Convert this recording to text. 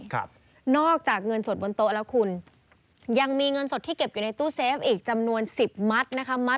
ครับนอกจากเงินสดบนโต๊ะแล้วคุณยังมีเงินสดที่เก็บอยู่ในตู้เซฟอีกจำนวนสิบมัดนะคะมัด